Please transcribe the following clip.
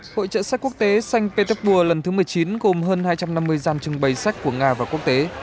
hội trợ sách quốc tế xanh petersburg lần thứ một mươi chín gồm hơn hai trăm năm mươi gian trưng bày sách của nga và quốc tế